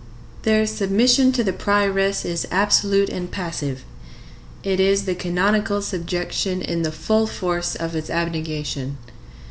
Their submission to the prioress is absolute and passive. It is the canonical subjection in the full force of its abnegation.